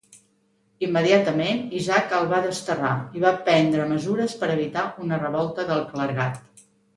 Immediatament Isaac el va desterrar, i va prendre mesures per evitar una revolta del clergat.